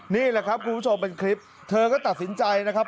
นี่แหละครับคุณผู้ชมเป็นคลิปเธอก็ตัดสินใจนะครับ